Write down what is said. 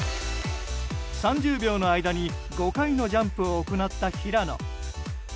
３０秒の間に５回のジャンプを行った平野。